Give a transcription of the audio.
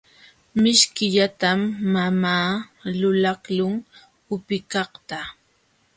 Mishkillatam mamaa lulaqlun upikaqta.